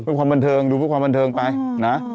เพื่อความบันเทิงดูเพื่อความบันเทิงไปนะ